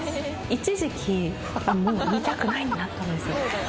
一時期もう見たくないになったんです